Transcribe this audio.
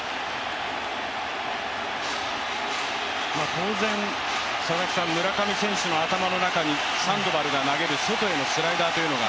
当然、村上選手の頭の中にサンドバルが投げる外へのスライダーというのは。